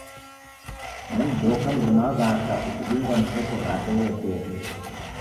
Nemdoka mruna waw'aka ukidungwa ni seko rape uekeri.